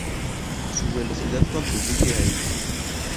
Su velocidad contribuye a ello.